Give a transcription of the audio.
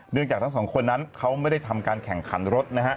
จากทั้งสองคนนั้นเขาไม่ได้ทำการแข่งขันรถนะฮะ